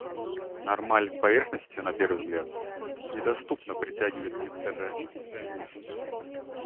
Нормаль к поверхности, на первый взгляд, недоступно притягивает интеракционизм.